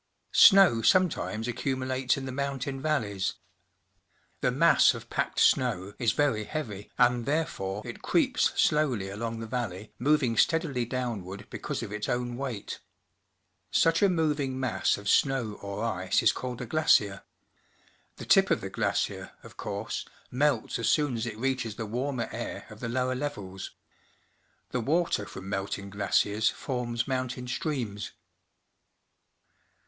Snow sometimes accumulates in the LAND FORMS 29 mountain valleys. The mass of packed snow is very hea\^, and therefore it creeps slowly along the vallej^ mo^^ng steadily downward because of its own weight. The Ghost Glacier of Mount Edith Cavell, Alberta Such a mo^'ing mass of snow or ice is called a glacier. The tip of the glacier, of course, melts as soon as it reaches the warmer air of the lower levels. The water from melting glaciers forms mountain streams.